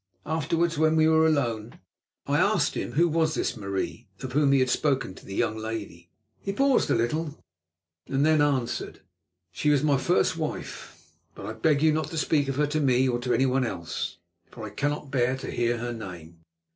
Afterwards, when we were alone, I asked him who was this Marie of whom he had spoken to the young lady. He paused a little, then answered: "She was my first wife, but I beg you not to speak of her to me or to anyone else, for I cannot bear to hear her name.